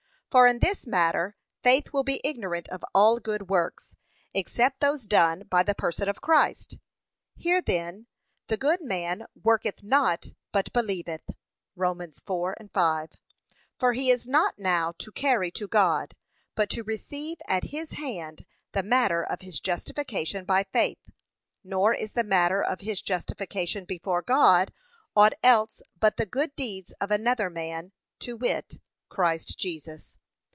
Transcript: For in this matter faith will be ignorant of all good works, except those done by the person of Christ. Here, then, the good man 'worketh not, but believeth.' (Rom. 4:5). For he is not now to carry to God, but to receive at his hand the matter of his justification by faith; nor is the matter of his justification before God ought else but the good deeds of another man, to wit, Christ Jesus.